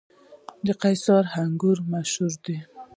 د قیصار انګور مشهور دي